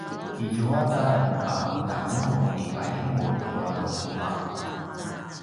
izua talem a kudamunu i palingulj tua nu umaq?